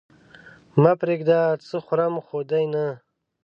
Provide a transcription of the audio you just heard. مه پرېږده! څه خورم خو دې نه؟